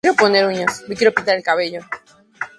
Clark lo visita para hacerle una entrevista en la cárcel.